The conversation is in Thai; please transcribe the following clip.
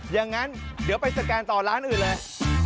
อย่างนั้นเดี๋ยวไปสแกนต่อร้านอื่นเลย